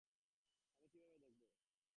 আমি কীভাবে দেখবো?